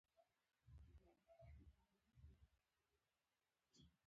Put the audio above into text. انار د زړه ضربان منظموي.